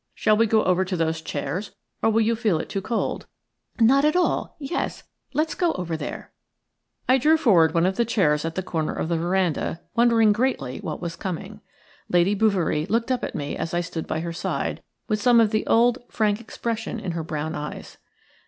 "Shall we go over to those chairs, or will you feel it too cold?" "Not at all. Yes, let us go over there." I drew forward one of the chairs at the corner of the veranda, wondering greatly what was coming. Lady Bouverie looked up at me as I stood by her side, with some of the old, frank expression in her brown eyes.